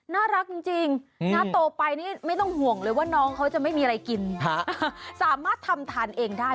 น่ารักจริงนะโตไปนี่ไม่ต้องห่วงเลยว่าน้องเขาจะไม่มีอะไรกินสามารถทำทานเองได้